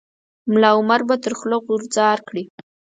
ملا عمر به تر خوله غورځار کړي.